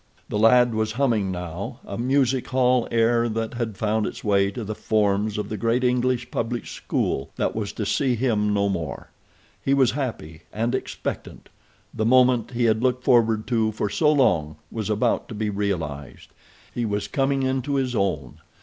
The lad was humming now, a music hall air that had found its way to the forms of the great English public school that was to see him no more. He was happy and expectant. The moment he had looked forward to for so long was about to be realized. He was coming into his own.